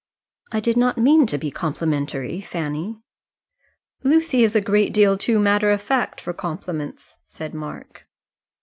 "I did not mean to be complimentary, Fanny." "Lucy is a great deal too matter of fact for compliments," said Mark.